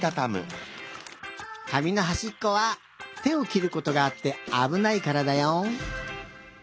かみのはしっこは手をきることがあってあぶないからだよ。